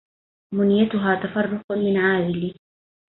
منيتها تفرق من عاذلي